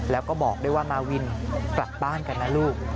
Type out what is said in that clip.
แล้วก็บอกด้วยว่ามาวินกลับบ้านกันนะลูก